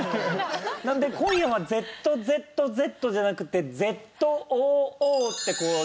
なので今夜は「ＺＺＺ」じゃなくて「ＺＯＯ」ってこうね。